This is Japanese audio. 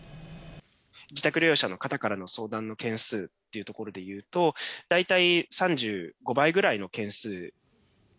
自宅療養者の方からの相談の件数っていうところでいうと、大体３５倍ぐらいの件数。